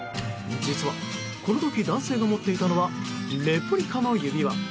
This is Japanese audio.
実はこの時男性が持っていたのはレプリカの指輪。